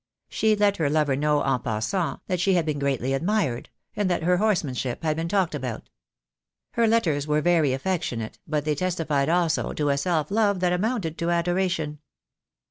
She let her lover know en passant that she had been greatly admired, and that her horseman ship had been talked about. Her letters were very af fectionate, but they testified also to a self love that amounted to adoration.